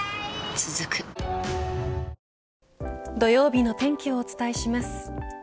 続く土曜日の天気をお伝えします。